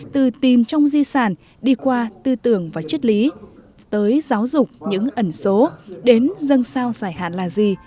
từ tìm trong di sản đi qua tư tưởng và chất lý tới giáo dục những ẩn số đến dân sao giải hạn là gì